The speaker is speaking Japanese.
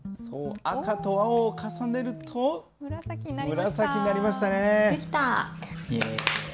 赤と青を重ねると紫になりましたね。